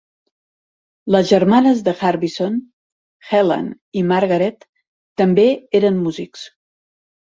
Les germanes de Harbison, Helen i Margaret, també eren músics.